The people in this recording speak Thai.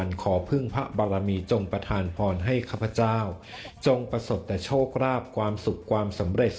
และเลขที่ได้นะคะก็คือ